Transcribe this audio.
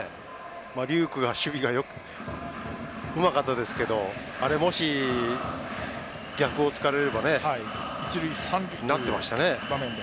龍空は守備がうまかったですけどあれがもし、逆を突かれれば一塁三塁になっていましたね。